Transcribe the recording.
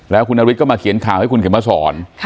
แล้วคุณนฤทธิก็มาเขียนข่าวให้คุณเข็มมาสอน